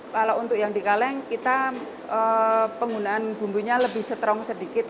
kalau untuk yang di kaleng kita penggunaan bumbunya lebih strong sedikit